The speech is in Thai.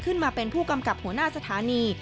ขึ้นมาเป็นผู้กำกับหัวหน้าสถานี